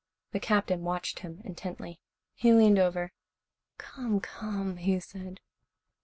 The Captain watched him intently. He leaned over. "Come, come," he said.